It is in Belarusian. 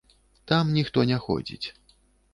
Там ніхто не ходзіць.